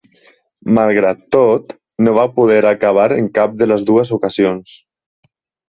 Malgrat tot, no va poder acabar en cap de les dues ocasions.